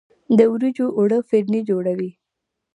د وریجو اوړه فرني جوړوي.